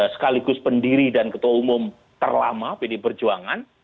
sekaligus pendiri dan ketua umum terlama pd perjuangan